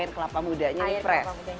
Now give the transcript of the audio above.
air kelapa mudanya fresh